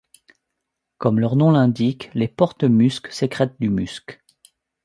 Comme leur nom l'indique, les porte-musc sécrètent du musc.